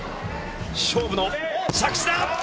勝負の着地だ。